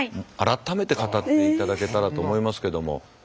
改めて語っていただけたらと思いますけども。